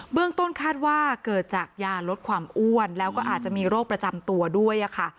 เรื่องต้นคาดว่าเกิดจากยาลดความอ้วนแล้วก็อาจจะมีโรคประจำตัวด้วยค่ะ